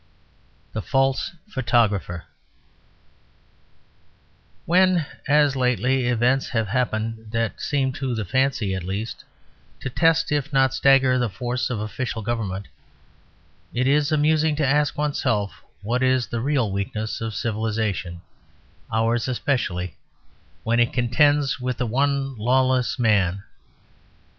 THE FALSE PHOTOGRAPHER When, as lately, events have happened that seem (to the fancy, at least) to test if not stagger the force of official government, it is amusing to ask oneself what is the real weakness of civilisation, ours especially, when it contends with the one lawless man.